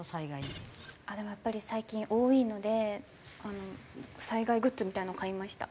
でもやっぱり最近多いので災害グッズみたいなの買いました。